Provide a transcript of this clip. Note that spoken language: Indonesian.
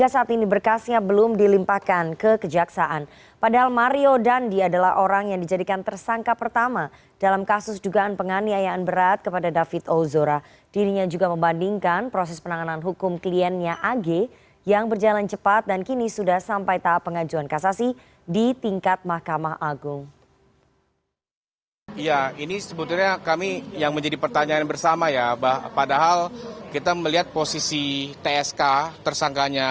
ya ini sebetulnya kami yang menjadi pertanyaan bersama ya padahal kita melihat posisi tsk tersangkanya